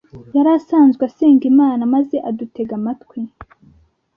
Yari asanzwe asenga Imana maze adutega amatwi,